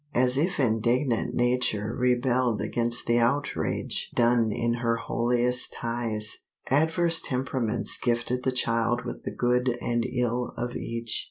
As if indignant Nature rebelled against the outrage done her holiest ties, adverse temperaments gifted the child with the good and ill of each.